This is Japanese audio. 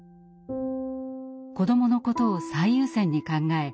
子どものことを最優先に考え